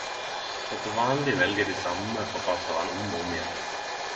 For til vanleg vel eg dei same forfattarane om og om igjen.